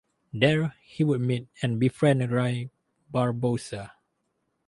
There, he would meet and befriend Ruy Barbosa.